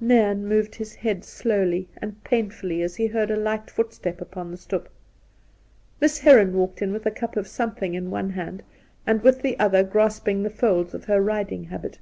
Nairn moved his head slowly and painfully as he heard a light footstep upon the stoep. Miss Heron walked in with a cup of something in one hand, and with the other grasping the folds of her riding habit.